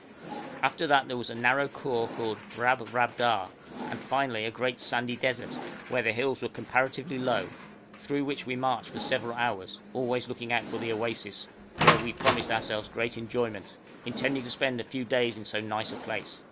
After that there was a narrow khor called Rabrabda, and finally a great sandy desert, where the hills were comparatively low, through which we marched for several hours, always looking out for the oasis, where we promised ourselves great enjoyment, intending to spend a few days in so nice a place.